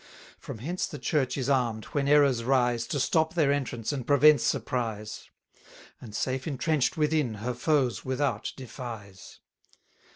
From hence the Church is arm'd, when errors rise, To stop their entrance, and prevent surprise; And, safe entrench'd within, her foes without defies.